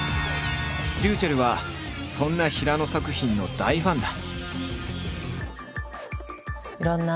ｒｙｕｃｈｅｌｌはそんな平野作品の大ファンだ。